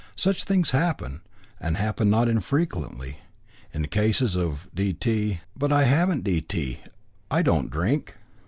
Such things happen, and happen not infrequently. In cases of D. T. " "But I haven't D. T. I don't drink."